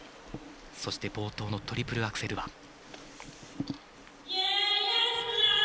そして冒頭のトリプルアクセルは。